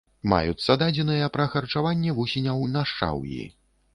Маюцца дадзеныя пра харчаванне вусеняў на шчаўі.